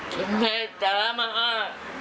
ทรงเมตตามาฮะ